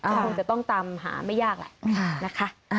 ก็คงจะต้องตามหาไม่ยากแหละนะคะ